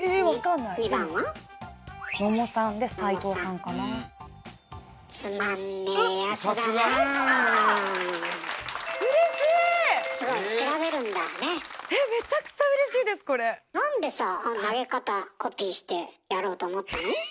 なんでさ投げ方コピーしてやろうと思ったの？